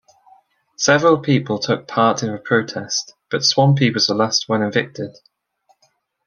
Several people took part in the protest, but Swampy was the last one evicted.